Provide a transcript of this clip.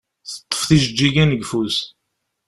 Teṭṭef tijeǧǧigin deg ufus.